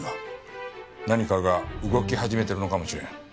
何かが動き始めているのかもしれん。